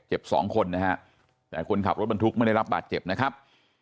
สองคนนะฮะแต่คนขับรถบรรทุกไม่ได้รับบาดเจ็บนะครับ